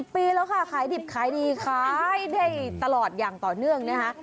ปีแล้วค่ะขายดิบขายดีขายได้ตลอดอย่างต่อเนื่องนะคะ